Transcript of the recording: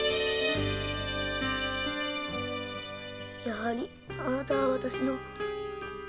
やはりあなたは私の。